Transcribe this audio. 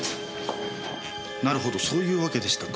なるほどそういうわけでしたか。